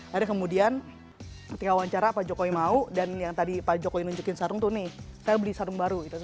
lalu kemudian ketika wawancara pak jokowi mau dan yang tadi pak jokowi nunjukin sarung tuh nih saya beli sarung baru gitu